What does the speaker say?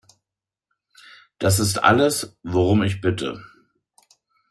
Das ist alles, worum ich bitte.